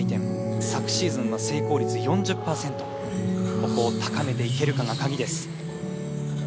ここを高めていけるかが鍵です。